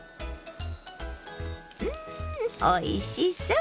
うんおいしそう！